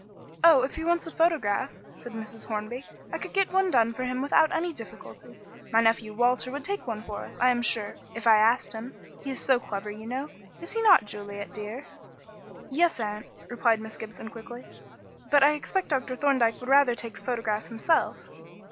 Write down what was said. "Oh, if he wants a photograph," said Mrs. Hornby, "I could get one done for him without any difficulty. My nephew Walter would take one for us, I am sure, if I asked him. He is so clever, you know is he not, Juliet, dear?" "Yes, aunt," replied Miss Gibson quickly, "but I expect Dr. Thorndyke would rather take the photograph himself."